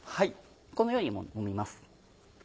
このようにもみます。